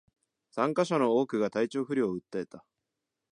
参加者の多くが体調不良を訴えた